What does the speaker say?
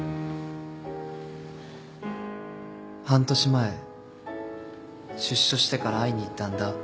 半年前出所してから会いに行ったんだ